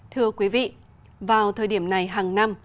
thưa quý vị vào thời điểm này hàng năm